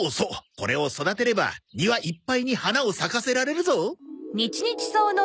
これを育てれば庭いっぱいに花を咲かせられるぞ。